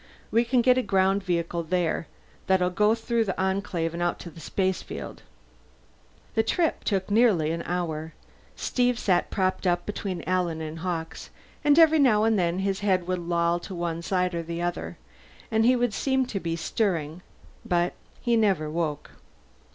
"We can get a ground vehicle there that'll go on through the Enclave and out to the spacefield." The trip took nearly an hour. Steve sat propped up between Alan and Hawkes, and every now and then his head would loll to one side or another, and he would seem to be stirring; but he never woke.